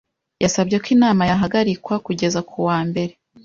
Yasabye ko inama yahagarikwa kugeza ku wa mbere.